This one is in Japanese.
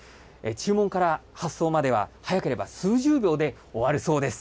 注文から発送までは、早ければ数十秒で終わるそうです。